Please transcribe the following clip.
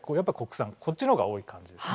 こっちの方が多い感じですね。